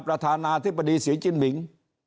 ประธานาธิบดีศรีจินหมิง